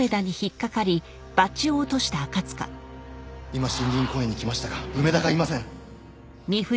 「今森林公園に来ましたが梅田がいません」